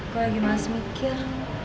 gue lagi masih mikir